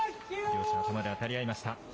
両者頭で当たり合いました。